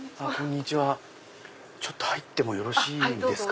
入ってもよろしいですか？